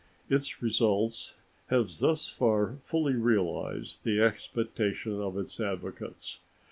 Its results have thus far fully realized the expectations of its advocates.